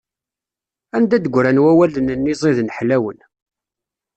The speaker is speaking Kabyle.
Anda d-ggran wawalen-nni ẓiden ḥlawen?